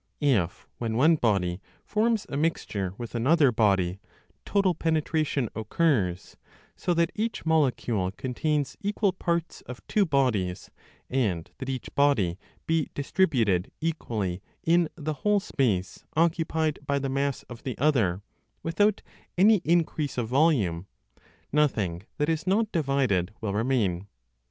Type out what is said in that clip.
If, when one body forms a mixture with another body, total penetration occurs, so that each molecule contains equal parts of two bodies and that each body be distributed equally in the whole space occupied by the mass of the other, without any increase of volume, nothing that is not divided will remain.